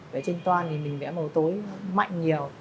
vẽ trên toan thì mình vẽ màu tối mạnh nhiều